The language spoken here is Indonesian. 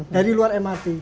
dari luar mrt